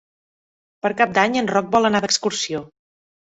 Per Cap d'Any en Roc vol anar d'excursió.